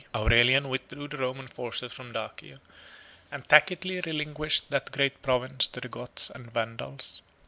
Aurelian withdrew the Roman forces from Dacia, and tacitly relinquished that great province to the Goths and Vandals.